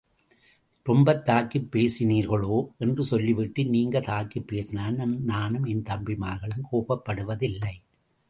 ரொம்பத் தாக்கிப் பேசினீர்களோ? என்று சொல்லிவிட்டு, நீங்க தாக்கிப் பேசினாலும் நானும் என் தம்பிமார்களும் கோபப்படுவதில்லை.